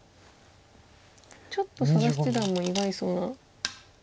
ちょっと佐田七段も意外そうな。